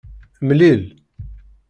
Mlil.